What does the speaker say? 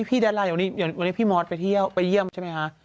ดาราวันนี้พี่มอสไปเที่ยวไปเยี่ยมใช่ไหมคะ